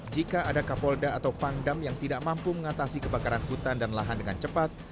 jika ada kapolda atau pangdam yang tidak mampu mengatasi kebakaran hutan dan lahan dengan cepat